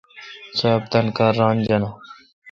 سواب تان کار ران جانہ۔